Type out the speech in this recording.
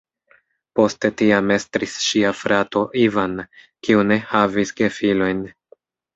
Poste tiam estris ŝia frato "Ivan", kiu ne havis gefilojn.